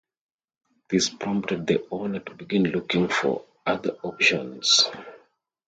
This prompted the owner to begin looking for other options.